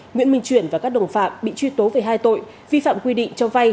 nguyễn minh truyền và các đồng phạm bị truy tố về hai tội vi phạm quy định cho vay